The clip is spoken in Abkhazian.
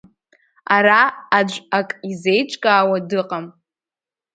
Ара аӡә ак изеиҿкаауа дыҟам.